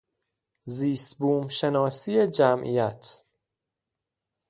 زیست بوم شناسی جمعیت